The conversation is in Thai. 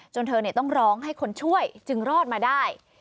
เธอต้องร้องให้คนช่วยจึงรอดมาได้